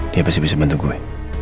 dia pasti bisa bantu gue